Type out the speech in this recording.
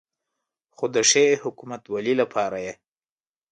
خو د ښې حکومتولې لپاره یې